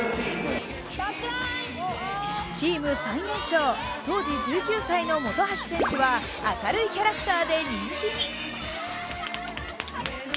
チーム最年少当時１９歳の本橋選手は明るいキャラクターで人気に。